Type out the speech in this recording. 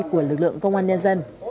của lực lượng công an nhân dân